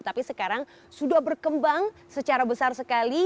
tapi sekarang sudah berkembang secara besar sekali